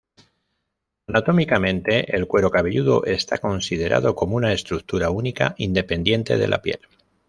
Anatómicamente, el cuero cabelludo está considerado como una estructura única, independiente de la piel.